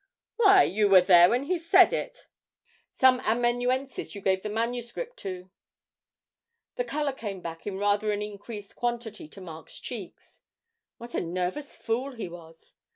'Why, you were there when he said it. Some amanuensis you gave the manuscript to.' The colour came back in rather an increased quantity to Mark's cheeks. What a nervous fool he was!